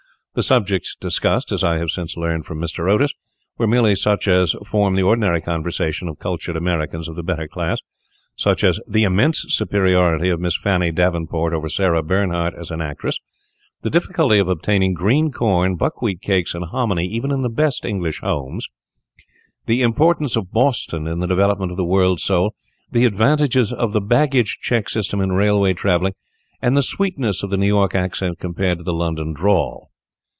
The subjects discussed, as I have since learned from Mr. Otis, were merely such as form the ordinary conversation of cultured Americans of the better class, such as the immense superiority of Miss Fanny Devonport over Sarah Bernhardt as an actress; the difficulty of obtaining green corn, buckwheat cakes, and hominy, even in the best English houses; the importance of Boston in the development of the world soul; the advantages of the baggage check system in railway travelling; and the sweetness of the New York accent as compared to the London drawl.